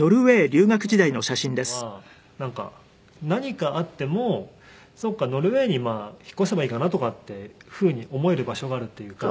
でも本当にすごいよかったなと思うのは何かあってもそっかノルウェーに引っ越せばいいかなとかっていうふうに思える場所があるっていうか。